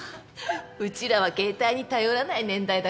うちらは携帯に頼らない年代だからねえ。